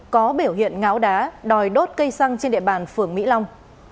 có biểu hiện ngáo đá đòi đốt cây xăng trên địa bàn phường mỹ long